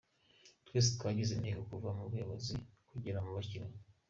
Twese twagize imihigo kuva ku bayobozi kugera ku bakinnyi.